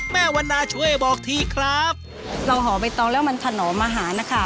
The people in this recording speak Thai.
วันนาช่วยบอกทีครับเราห่อใบตองแล้วมันถนอมอาหารนะคะ